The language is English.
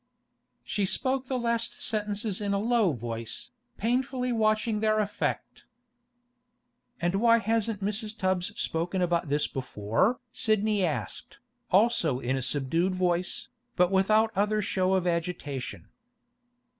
She spoke the last sentences in a low voice, painfully watching their effect. 'And why hasn't Mrs. Tubbs spoken about this before?' Sidney asked, also in a subdued voice, but without other show of agitation.